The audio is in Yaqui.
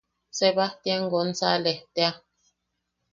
Sebajtian Gonsales tea.